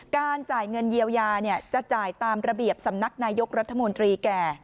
การจ่ายเงินเยียวยาจะจ่ายตามระเบียบสำนักนายกรัฐมนตรีแก่